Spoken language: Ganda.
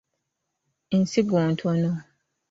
Ensigo ntono.